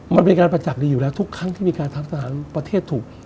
มันเป็นการประจักษ์ดีอยู่แล้วทุกครั้งที่มีการทำทหารประเทศถูก